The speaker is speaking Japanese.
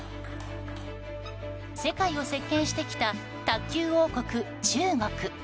世界を席巻してきた卓球王国・中国。